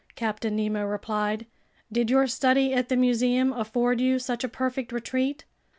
Captain Nemo replied. "Did your study at the museum afford you such a perfect retreat?"